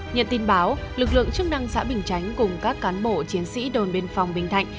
nhận tin báo lực lượng chức năng xã bình chánh cùng các cán bộ chiến sĩ đồn biên phòng bình thạnh